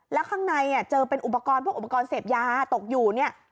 แล้วข้างในเจอเป็นอุปกรณ์พวกอุปกรณ์เสพยาตกอยู่เนี่ย